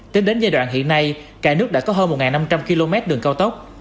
tính đến giai đoạn hiện nay cả nước đã có hơn một năm trăm linh km đường cao tốc